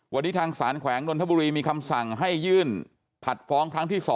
วันนี้ทางสารแขวงนนทบุรีมีคำสั่งให้ยื่นผัดฟ้องครั้งที่๒